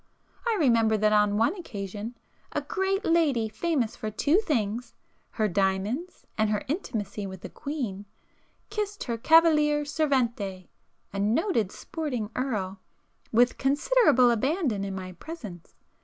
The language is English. I remember that on one occasion, a great lady famous for two things, her diamonds and her intimacy with the Queen, kissed her 'cavaliere servente,' a noted sporting earl, with considerable abandon in my presence.